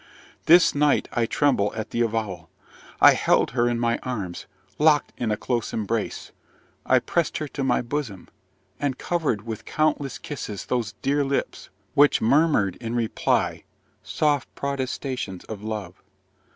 This night I tremble at the avowal I held her in my arms, locked in a close embrace: I pressed her to my bosom, and covered with countless kisses those dear lips which murmured in reply soft protestations of love.